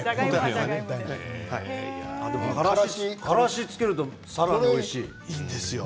からしをつけるとさらにおいしい。